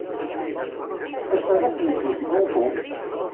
Ass-a d ass-nnes n wesgunfu.